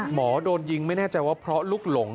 โดนยิงไม่แน่ใจว่าเพราะลุกหลง